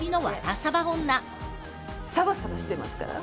サバサバしてますから！